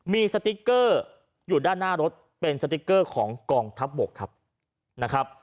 มีสติ๊กเกอร์อยู่ด้านหน้ารถเป็นสติ๊กเกอร์ของกองทัพบกครับนะครับ